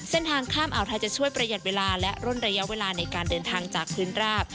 เส้นทางข้ามอ่าวไทยจะช่วยประหยัดเวลาและร่นระยะเวลาในการเดินทางจากพื้นราบ